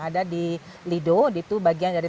ada di lido itu bagian dari